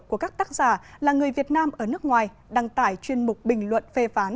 của các tác giả là người việt nam ở nước ngoài đăng tải chuyên mục bình luận phê phán